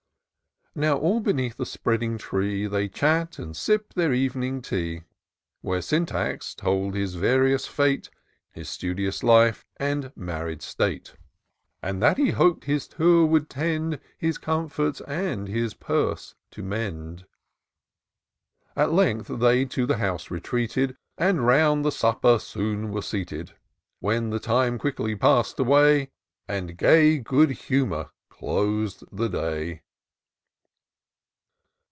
Now all beneath a spreading tree They chat, and sip their ev'ning tea. Where Sjmtax told his various fate, His studious life and married state ; 160 TOUR OF DOCTOR SYNTAX And that he hop'd his Tour would tend His comforts and his purse to mend* At length they to the house retreated. And round the supper soon were seated ; When the time quickly passed away. And gay good humour clos'd the day.